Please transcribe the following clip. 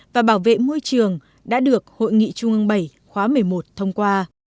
và bảo vệ môi trường đã được hội nghị trung ương bảy khóa một mươi một thông qua